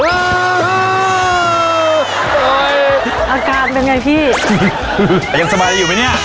เฮ้ยอากาศเป็นไงพี่ยังสบายอยู่ไหมเนี้ย